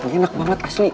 gak enak banget asli